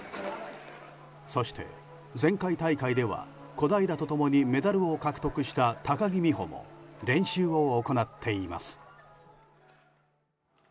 そして前回大会では小平と共にメダルを獲得した高木美帆も練習を行っています。